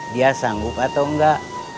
dia sanggup atau enggak